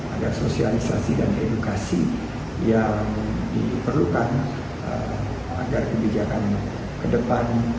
agar sosialisasi dan edukasi yang diperlukan agar kebijakan ke depan